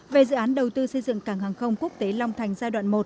về dự án đầu tư xây dựng cảng hàng không quốc tế long thành giai đoạn một